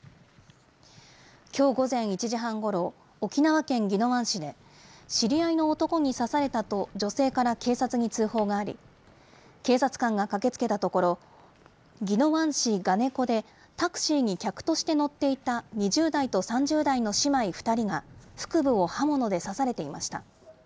きょう午前１時半ごろ、沖縄県宜野湾市で、知り合いの男に刺されたと女性から警察に通報があり、警察官が駆けつけたところ、宜野湾市我如古で、タクシーに客として乗っていた２０代と３０代の姉妹２人が、腹部を刃物で刺されていました。